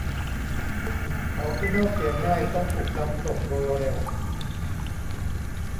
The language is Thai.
ของที่เน่าเสียง่ายต้องถูกนำส่งโดยเร็ว